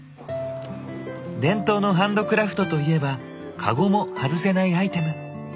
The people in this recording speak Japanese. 伝統のハンドクラフトといえばカゴも外せないアイテム。